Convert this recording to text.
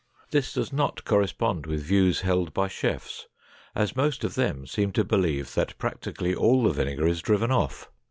This does not correspond with views held by chefs, as most of them seem to believe that practically all the vinegar is driven off.